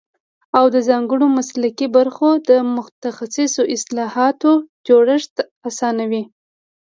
او د ځانګړو مسلکي برخو د متخصصو اصطلاحاتو جوړښت اسانوي